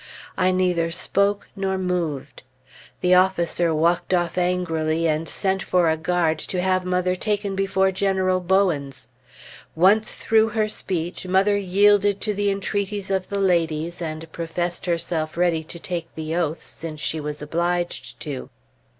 I neither spoke nor moved.... The officer walked off angrily and sent for a guard to have mother taken before General Bowens. Once through her speech, mother yielded to the entreaties of the ladies and professed herself ready to take the oath, since she was obliged to.